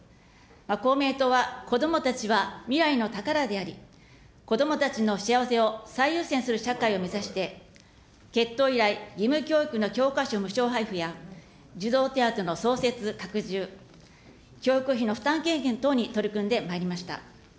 公明党は、こどもたちは未来の宝であり、こどもたちの幸せを最優先する社会を目指して、結党以来、義務教育の教科書無償配付や、児童手当の創設、拡充、教育費の負担軽減等に取り組んでまいりました。